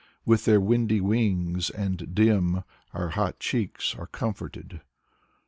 With their windy wings and dim Our hot cheeks are comforted.